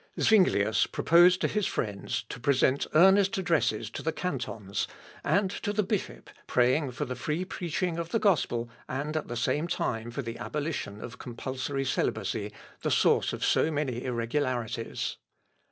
Zuinglius proposed to his friends to present earnest addresses to the cantons, and to the bishop, praying for the free preaching of the gospel, and at the same time for the abolition of compulsory celibacy, the source of so many irregularities.